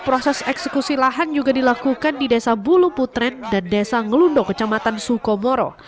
proses eksekusi lahan juga dilakukan di desa bulu putren dan desa ngelundo kecamatan sukomoro